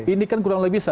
ini kan kurang lebih